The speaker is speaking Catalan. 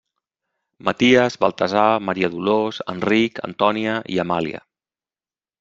Maties, Baltasar, Maria Dolors, Enric, Antònia i Amàlia.